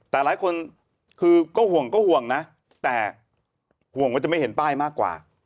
แต่หลายคนคือก็ห่วงก็ห่วงนะแต่ห่วงว่าจะไม่เห็นป้ายมากกว่า